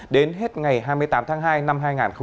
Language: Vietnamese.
đến hết ngày hai mươi tám tháng hai năm hai nghìn hai mươi